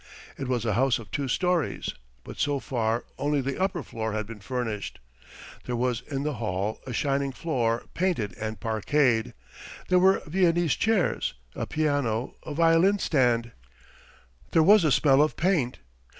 It was a house of two storeys, but so far only the upper floor had been furnished. There was in the hall a shining floor painted and parqueted, there were Viennese chairs, a piano, a violin stand; there was a smell of paint.